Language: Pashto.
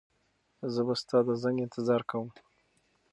زه به ستا د زنګ انتظار کوم.